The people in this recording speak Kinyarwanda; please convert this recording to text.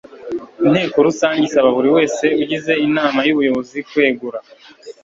inteko rusange isaba buri wese ugize inama y'ubuyobozi kwegura